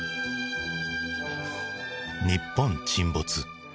「日本沈没」。